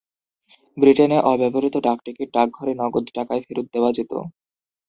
ব্রিটেনে অব্যবহৃত ডাকটিকিট ডাকঘরে নগদ টাকায় ফেরত দেওয়া যেত।